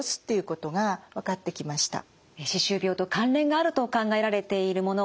歯周病と関連があると考えられているもの